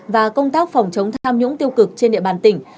và công tác phòng chống tham nhũng tiêu cực trên địa bàn tỉnh